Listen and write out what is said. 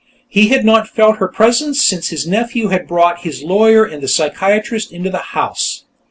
He had not felt her presence since his nephew had brought his lawyer and the psychiatrist into the house.